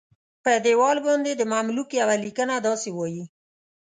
په دیوال باندې د مملوک یوه لیکنه داسې وایي.